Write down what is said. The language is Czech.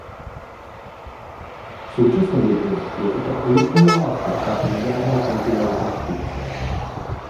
V současné době je tato ojedinělá stavba po nedávné celkové rekonstrukci.